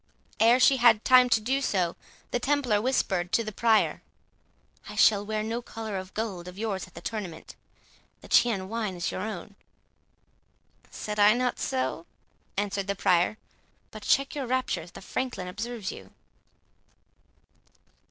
Ere she had time to do so, the Templar whispered to the Prior, "I shall wear no collar of gold of yours at the tournament. The Chian wine is your own." "Said I not so?" answered the Prior; "but check your raptures, the Franklin observes you."